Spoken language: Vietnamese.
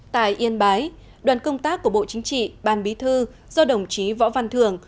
tại yên bái đoàn công tác của bộ chính trị ban bí thư do đồng chí võ văn thường